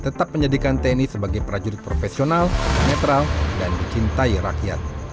tetap menjadikan tni sebagai prajurit profesional netral dan dicintai rakyat